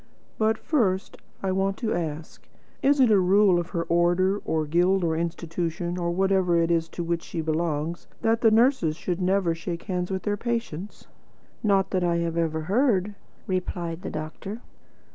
"But first I want to ask, Is it a rule of her order, or guild, or institution, or whatever it is to which she belongs, that the nurses should never shake hands with their patients?" "Not that I have ever heard," replied the doctor.